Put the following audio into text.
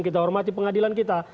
kita hormati pengadilan kita